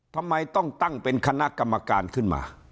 ทำไมต้องตั้งเป็นคณะกรรมการขึ้นมา